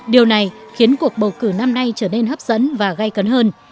điều này khiến cuộc bầu cử năm nay trở nên hấp dẫn và gây cấn hơn